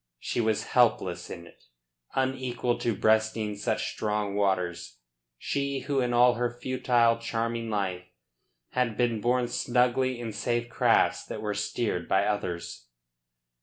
She was helpless in it, unequal to breasting such strong waters, she who in all her futile, charming life had been borne snugly in safe crafts that were steered by others.